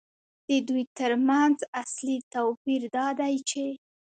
د دوی ترمنځ اصلي توپیر دا دی چې